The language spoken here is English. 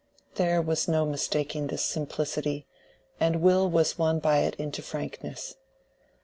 There was no mistaking this simplicity, and Will was won by it into frankness.